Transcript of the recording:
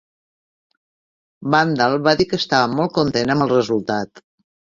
Vandal va dir que estava molt content amb el resultat.